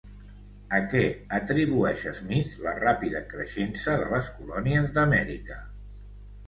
A què atribueix Smith la ràpida creixença de les colònies d'Amèrica?